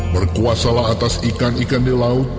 berkuasalah atas ikan ikan di laut